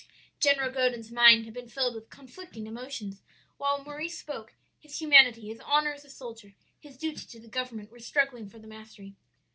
"General Godin's mind had been filled with conflicting emotions while Maurice spoke; his humanity, his honor as a soldier, his duty to the government, were struggling for the mastery.